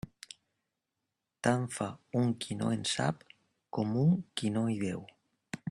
Tant fa un qui no en sap, com un qui no hi veu.